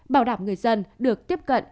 bảo đảm người dân được tiếp cận